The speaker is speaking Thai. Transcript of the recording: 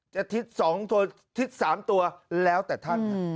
จะทิศสองทิศสามตัวแล้วแต่ท่าน